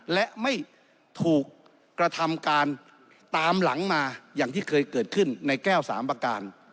และไม่ถูกกระทำการตามหลังมาอย่างที่เคยเกิดขึ้นในแก้วสามประการ